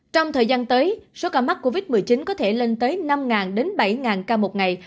trong thời gian tới số ca mắc covid một mươi chín có thể lên tới năm bảy ca một ngày